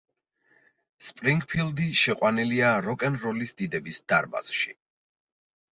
სპრინგფილდი შეყვანილია როკ-ენ-როლის დიდების დარბაზში.